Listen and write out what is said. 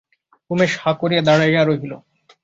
উমেশ হাঁ করিয়া দাঁড়াইয়া রহিল।